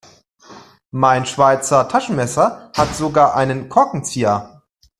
Mein Schweizer Taschenmesser hat sogar einen Korkenzieher.